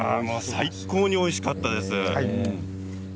最高においしかったです。